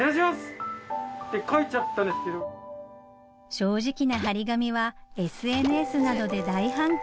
正直な張り紙はＳＮＳなどで大反響